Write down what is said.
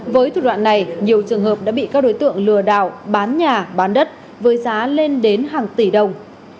với thủ đoạn này nhiều trường hợp đã bị các đối tượng lừa đảo bán nhà bán đất với giá lên đến hàng tỷ đồng